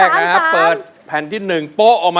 เข็ม